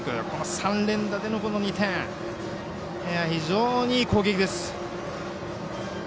３連打での、この２点非常にいい攻撃です。